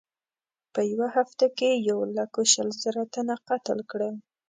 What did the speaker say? په یوه هفته کې یې یو لک شل زره تنه قتل کړل.